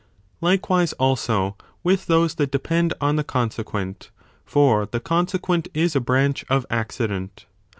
Likewise also with those that depend on the Consequent : for the conse quent is a branch of Accident.